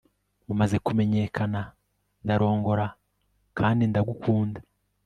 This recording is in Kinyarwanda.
Mumaze kumenyekana ndarongora kandi ndagukunda